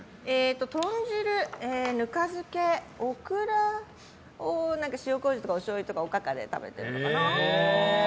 豚汁、ぬか漬けオクラを塩麹とかおしょうゆとかおかかで食べてるのかな。